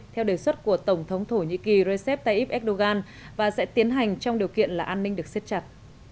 theo đề xuất của tổng thống thổ nhĩ kỳ recep tayyip erdogan và sẽ tiến hành trong điều kiện là an ninh được xếp chặt